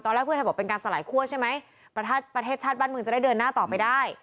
แรกเพื่อไทยบอกเป็นการสลายคั่วใช่ไหมประเทศชาติบ้านเมืองจะได้เดินหน้าต่อไปได้